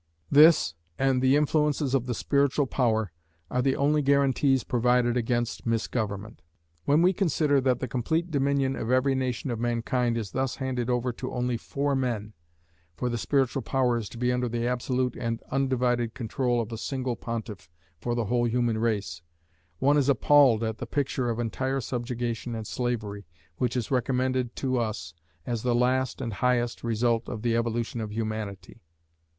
This, and the influences of the Spiritual Power, are the only guarantees provided against misgovernment. When we consider that the complete dominion of every nation of mankind is thus handed over to only four men for the Spiritual Power is to be under the absolute and undivided control of a single Pontiff for the whole human race one is appalled at the picture of entire subjugation and slavery, which is recommended to us as the last and highest result of the evolution of Humanity.